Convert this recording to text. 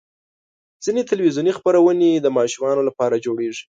ځینې تلویزیوني خپرونې د ماشومانو لپاره جوړېږي.